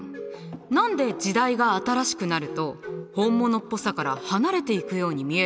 何で時代が新しくなると本物っぽさから離れていくように見えるのかな？